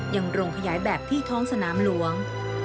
ยังโรงขยายแบบที่ท้องสนามหลวง